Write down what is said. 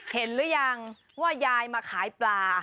หรือยังว่ายายมาขายปลา